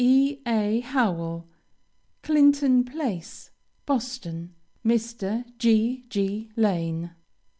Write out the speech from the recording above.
E. A. HOWELL, Clinton Place, Boston. Mr. G. G. Lane.